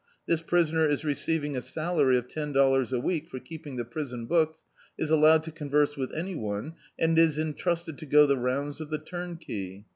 This prisoner is receiving a salary of ten dollars a week for keeping the prison books, is allowed to con verse with any one, and is entrusted to go the rounds of the turnkey.